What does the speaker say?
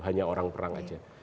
hanya orang perang aja